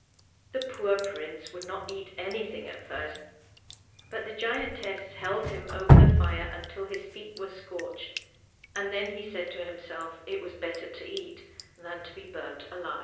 The poor prince would not eat anything at first, but the giantess held him over the fire until his feet were scorched, and then he said to himself it was better to eat than to be burnt alive.